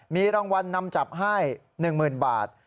มีรางวัลนำจับให้๑๐๐๐บาท